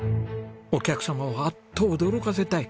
お客様をあっと驚かせたい！